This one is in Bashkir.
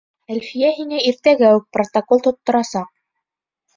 Әлфиә һиңә иртәгә үк протокол тотторасаҡ!